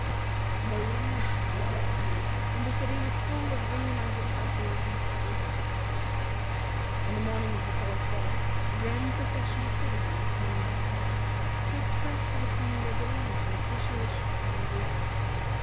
No one went back to prison, and the city was full of re united households and happy homes. On the morning of the fourth day, a grand procession of citizens came to the palace to express to the Queen their delight and appreciation of her museum.